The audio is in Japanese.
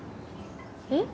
えっ？